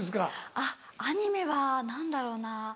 あっアニメは何だろうな。